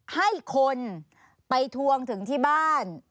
ให้คนไปทวงถึงที่บ้าน